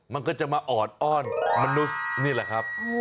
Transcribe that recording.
มันก็จะมาออดอ้อนมนุษย์นี่แหละครับ